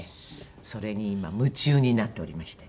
それに今夢中になっておりまして。